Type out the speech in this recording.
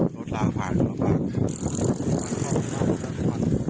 สาธารณ์